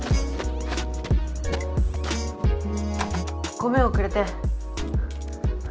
ごめんおくれて。